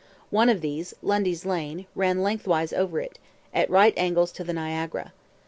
One of these, Lundy's Lane, ran lengthwise over it, at right angles to the Niagara.